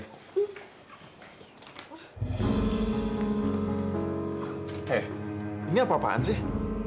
eh ini apa apaan sih